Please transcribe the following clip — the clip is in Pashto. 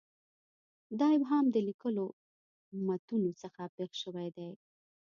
دا ابهام د لیکلو متونو څخه پېښ شوی دی.